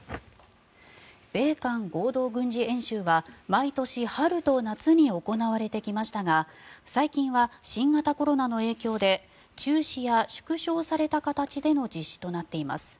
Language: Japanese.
米韓合同軍事演習は毎年春と夏に行われてきましたが最近は新型コロナの影響で中止や縮小された形での実施となっています。